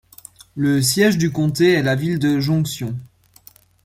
Le siège du comté est la ville de Junction.